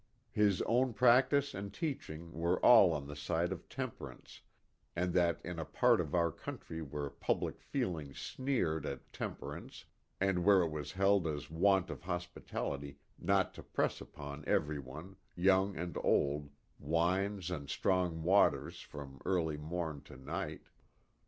His own practice and teaching were all on the side of temperance and that in a part of our country where public feeling sneered at 22 THE " DECK HAND." temperance and where it was held as want of hospitality not to press upon every one, young and old, wines and " strong waters " from early morn to night.